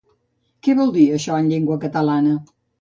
Què vol dir això en llengua catalana?